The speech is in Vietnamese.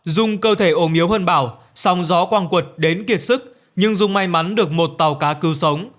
dung cơ thể ồn yếu hơn bảo song gió quang quật đến kiệt sức nhưng dung may mắn được một tàu cá cứu sống